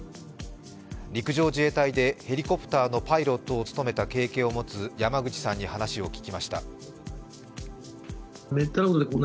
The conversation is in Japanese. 陸上自衛隊でヘリコプターのパイロットを務めた経験を持つ山口さんに話を聞きました。